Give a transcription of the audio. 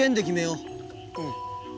うん。